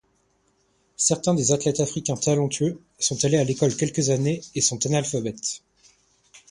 Certains des athlètes africains talentueux sont allés à l'école quelques années et sont analphabètes.